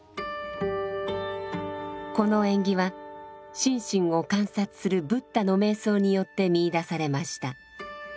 この縁起は心身を観察するブッダの瞑想によって見いだされました。